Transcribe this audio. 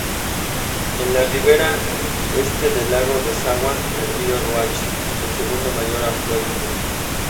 En la ribera este del lago desagua el río Roach, su segundo mayor afluente.